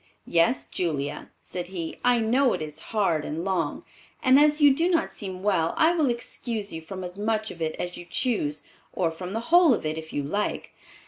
"Yes, Julia," said he, "I know it is hard and long, and as you do not seem well, I will excuse you from as much of it as you choose, or from the whole of it, if you like."